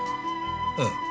うん。